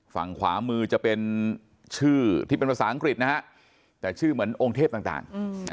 ฝั่งขวามือจะเป็นชื่อที่เป็นภาษาอังกฤษนะฮะแต่ชื่อเหมือนองค์เทพต่าง